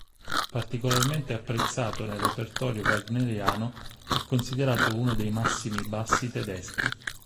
Particolarmente apprezzato nel repertorio wagneriano è considerato uno dei massimi bassi tedeschi.